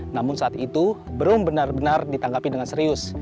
namun saat itu belum benar benar ditanggapi dengan serius